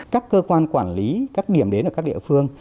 các cơ quan quản lý các điểm đến ở các địa phương